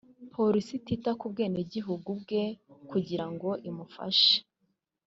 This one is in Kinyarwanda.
Polisi itita ku bwenegihugu bwe kugirango imufashe